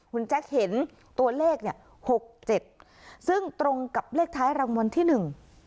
คุณแจ๊คเห็นตัวเลขเนี่ยหกเจ็ดซึ่งตรงกับเลขท้ายรางวัลที่หนึ่ง